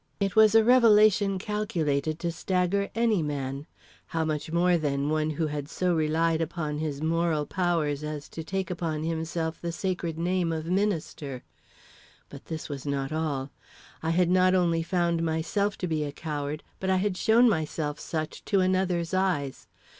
It was a revelation calculated to stagger any man, how much more, then, one who had so relied upon his moral powers as to take upon himself the sacred name of minister. But this was not all. I had not only found myself to be a coward, but I had shown myself such to another's eyes.